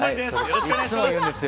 よろしくお願いします。